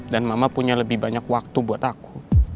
dan mama punya lebih banyak waktu buat aku